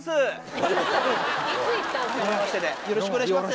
よろしくお願いします。